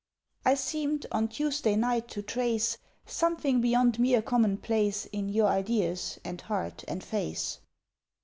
I seemed on Tuesday night to trace Something beyond mere commonplace In your ideas, and heart, and face.